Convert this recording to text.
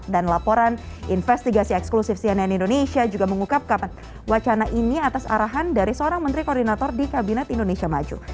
dan laporan investigasi eksklusif cnn indonesia juga mengukap wacana ini atas arahan dari seorang menteri koordinator di kabinet indonesia maju